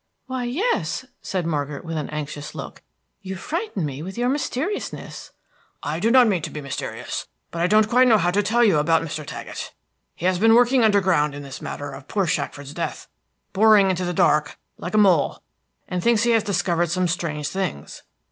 "Why, yes," said Margaret, with an anxious look. "You frighten me with your mysteriousness." "I do not mean to be mysterious, but I don't quite know how to tell you about Mr. Taggett. He has been working underground in this matter of poor Shackford's death, boring in the dark like a mole, and thinks he has discovered some strange things."